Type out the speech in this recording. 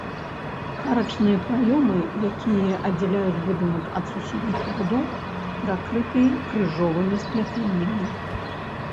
Арачныя праёмы, якія аддзяляюць будынак ад суседніх пабудоў, перакрыты крыжовымі скляпеннямі.